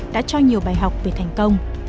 đã cho nhiều bài học về thành công